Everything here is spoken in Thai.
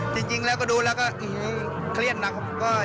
จริงแล้วก็ดูแล้วก็เครียดนะครับ